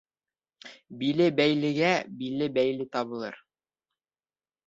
Биле бәйлегә биле бәйле табылыр.